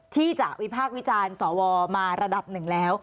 ที่จะวิพากษ์วิจารณ์สวมาระดับหนึ่งแล้ว